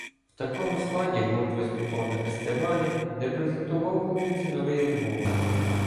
В такому складі гурт виступив на фестивалі, де презентував публіці новий альбом.